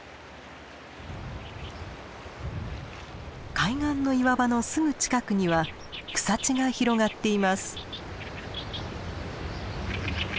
海岸の岩場のすぐ近くには草地が広がっています。